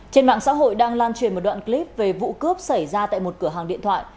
trên mạng xã hội đang lan truyền một đoạn clip về vụ cướp xảy ra tại một cửa hàng điện thoại